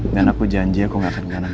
dan aku janji aku nggak akan kemana mana